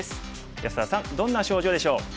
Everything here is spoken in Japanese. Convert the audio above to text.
安田さんどんな症状でしょう？